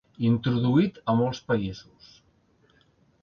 Introduït a molts països.